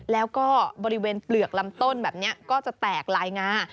แล้วก็บริเวณเปลือกลำต้นแบบนี้ก็จะแตกลายงา